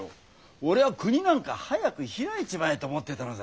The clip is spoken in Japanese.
俺は国なんか早く開いちまえと思ってたのさ。